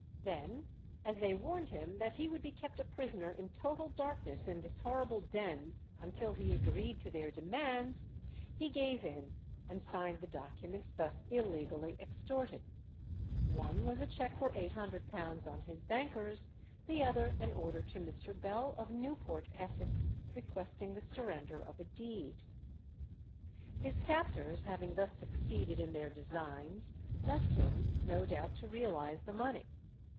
Then, as they warned him that he would be kept a prisoner in total darkness in this horrible den until he agreed to their demands, he gave in, and signed the documents thus illegally extorted. One was a cheque for £800 on his bankers, the other an order to Mr. Bell of Newport, Essex, requesting the surrender of a deed. His captors having thus succeeded in their designs, left him, no doubt to realize the money.